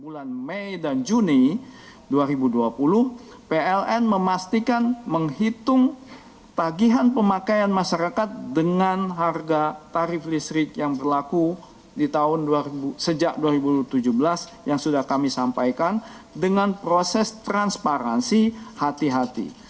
bulan mei dan juni dua ribu dua puluh pln memastikan menghitung tagihan pemakaian masyarakat dengan harga tarif listrik yang berlaku sejak dua ribu tujuh belas yang sudah kami sampaikan dengan proses transparansi hati hati